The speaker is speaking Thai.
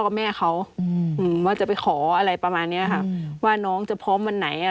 รึหรือพักกันด้านหน้า